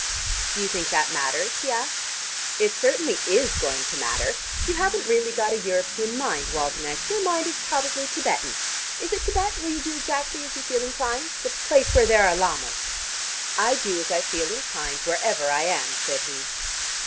"Do you think that matters?" he asked. "It certainly is going to matter. You haven't really got a European mind, Waldenech. Your mind is probably Thibetan. Is it Thibet where you do exactly as you feel inclined? The place where there are Llamas." "I do as I feel inclined wherever I am," said he.